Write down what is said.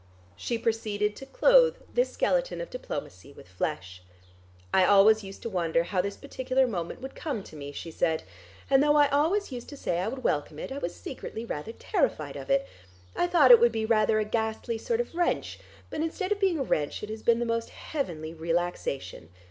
She proceeded to clothe this skeleton of diplomacy with flesh. "I always used to wonder how this particular moment would come to me," she said, "and though I always used to say I would welcome it, I was secretly rather terrified of it. I thought it would be rather a ghastly sort of wrench, but instead of being a wrench it has been the most heavenly relaxation.